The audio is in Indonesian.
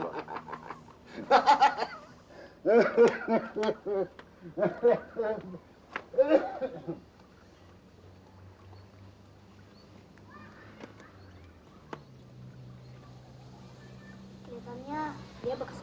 suaranya baik untuk kamu